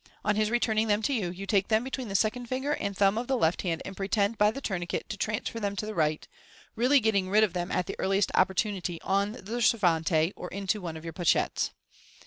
On his returning them to you, you take them between the second finger and thumb of the left hand, and pretend by the tourniquet to transfer them to the right, really getting rid of them at the earliest opportunity on the servante, or into one of your pochettes.